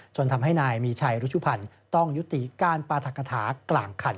ทำให้นายมีชัยรุชุพันธ์ต้องยุติการปราธกฐากลางคัน